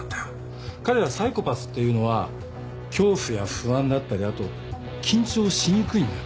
彼らサイコパスっていうのは恐怖や不安だったりあと緊張しにくいんだよ。